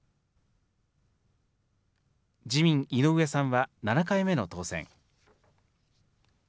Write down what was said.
自民、井上さんは７回目の当選。